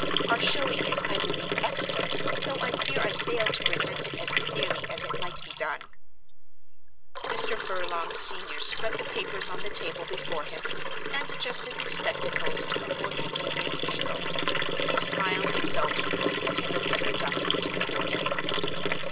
Our showing is, I believe, excellent, though I fear I fail to present it as clearly as it might be done." Mr. Furlong senior spread the papers on the table before him and adjusted his spectacles to a more convenient angle. He smiled indulgently as he looked at the documents before him.